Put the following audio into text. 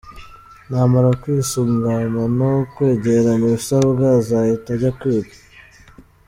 Namara kwisuganya no kwegeranya ibisabwa, azahita ajya kwiga.